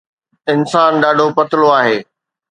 انسان ڏاڍو پتلو آهي